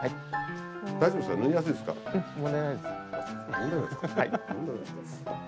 問題ないですか。